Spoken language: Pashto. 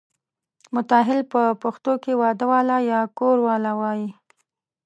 متاهل په پښتو کې واده والا یا کوروالا وایي.